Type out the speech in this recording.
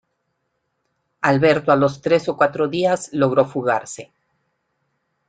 Alberto a los tres o cuatro días logró fugarse.